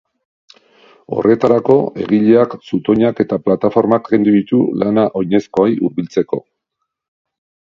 Horretarako, egileak zutoinak eta plataformak kendu ditu lana oinezkoei hurbiltzeko.